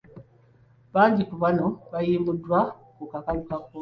Bangi ku bano baayimbulwa ku kakalu ka kkooti.